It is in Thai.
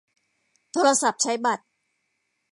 โทรศัพท์ใช้บัตร